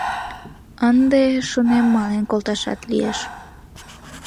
Ынде, шонем, мален колташат лиеш.